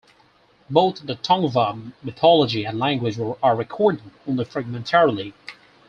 Both the Tongva mythology and language are recorded only fragmentarily.